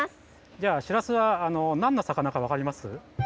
じゃあしらすはなんのさかなかわかります？